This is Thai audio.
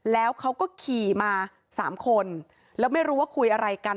แล้วเขาก็ขี่มาสามคนแล้วไม่รู้ว่าคุยอะไรกัน